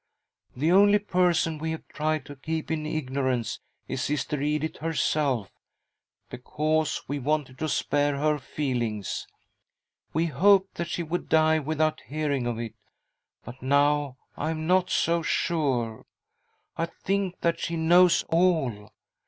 The only person we have tried to keep in ignorance is Sister Edith herself, because' we wanted to spare, her feelings. We hoped that she would die without hearing of it, but. now I am not so sure. I think that she knows all.